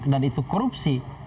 dan itu korupsi